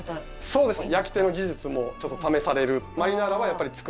そうですね。